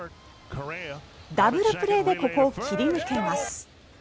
ダブルプレーでここを切り抜けます。